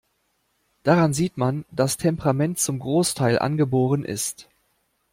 Daran sieht man, dass Temperament zum Großteil angeboren ist.